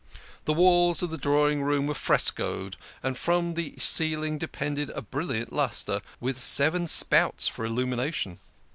The walls of the drawing room were frescoed, and from the ceiling depended a brilliant lustre, with seven spouts for illumination.